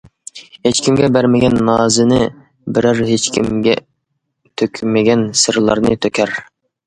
ھېچكىمگە بەرمىگەن نازىنى بېرەر ھېچكىمگە تۆكمىگەن سىرلارنى تۆكەر.